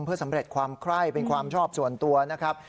เพื่อสำเร็จความไคร้เป็นความชอบส่วนตัวนะครับ